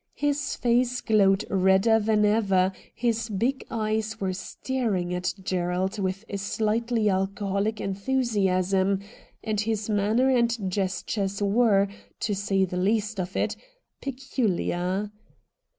His face glowed redder than ever, his big eyes were staring at Gerald with a slightly alcoholic enthusiasm, and his manner and gestures were, to say the least of it, peculiar.